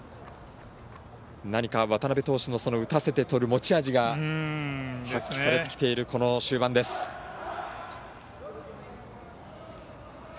何か渡邊投手の打たせてとる持ち味が発揮されてきているこの終盤です。